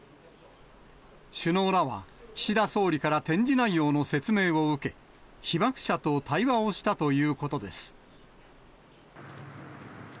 首脳らは岸田総理から展示内容の説明を受け、被爆者と対話をしたということです。